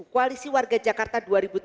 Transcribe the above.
koalisi warga jakarta dua ribu tiga puluh